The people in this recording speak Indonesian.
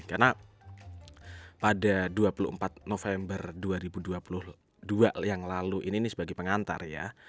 karena pada dua puluh empat november dua ribu dua puluh dua yang lalu ini sebagai pengantar ya